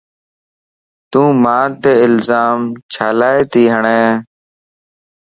تون مانت الزام چھيلاتي ھڙين؟